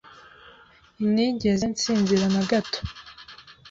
inigeze nsinzira na gato.